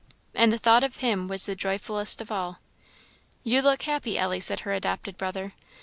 And the thought of Him was the joyfullest of all. "You look happy, Ellie," said her adopted brother.